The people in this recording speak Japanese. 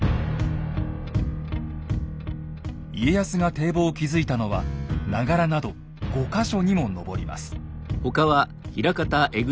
家康が堤防を築いたのは長柄など５か所にも上ります。